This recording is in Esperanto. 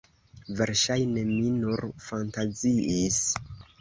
Verŝajne mi nur fantaziis.